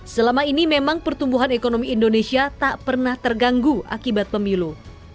selama ini memang pertumbuhan ekonomi indonesia tak pernah terganggu akibat pemilu